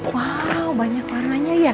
waw banyak warnanya ya